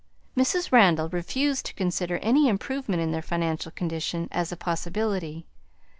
Mrs. Randall refused to consider any improvement in their financial condition as a possibility.